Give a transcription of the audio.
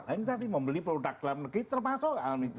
ini tadi membeli produk dalam negeri termasuk